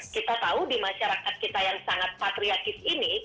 kita tahu di masyarakat kita yang sangat patriarkis ini